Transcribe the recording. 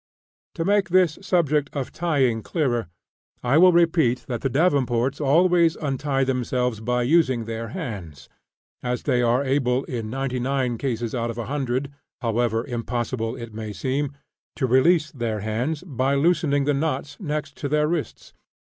To make this subject of tying clearer, I will repeat that the Davenports always untie themselves by using their hands; as they are able in ninety nine cases out of a hundred, however impossible it may seem, to release their hands by loosening the knots next their wrists.